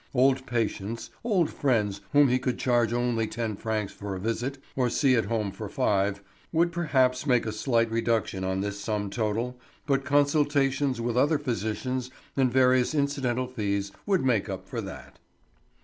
Old patients, or friends whom he would charge only ten francs for a visit, or see at home for five, would perhaps make a slight reduction on this sum total, but consultations with other physicians and various incidental fees would make up for that.